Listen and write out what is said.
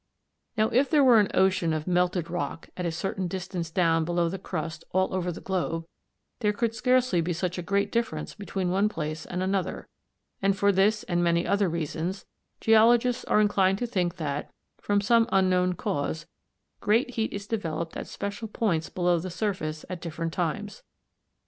Now if there were an ocean of melted rock at a certain distance down below the crust all over the globe, there could scarcely be such a great difference between one place and another, and for this and many other reasons geologists are inclined to think that, from some unknown cause, great heat is developed at special points below the surface at different times.